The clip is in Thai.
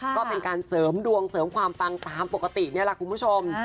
ก็เป็นการเสริมดวงเสริมความปังตามปกตินี่แหละคุณผู้ชม